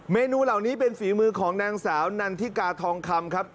เมนูเหล่านี้เป็นฝีมือของนางสาวนันทิกาทองคำครับ